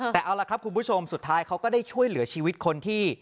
แต่เอาล่ะครับคุณผู้ชมสุดท้ายเขาก็ได้ช่วยเหลือชีวิตคนที่